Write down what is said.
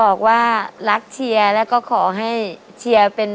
สมหมายมือเอกสมหมายมือเอกจ้ะกับใครกับน้องเนิดมือแฝน